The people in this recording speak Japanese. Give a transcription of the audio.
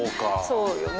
「そうよね」